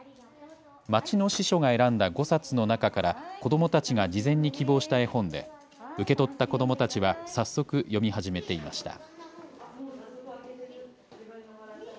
町の司書が選んだ５冊の中から、子どもたちが事前に希望した絵本で、受け取った子どもたちは、早速、読み始めていました。